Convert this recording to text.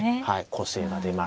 個性が出ました。